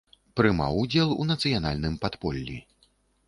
Прымаў удзел у нацыянальным падполлі.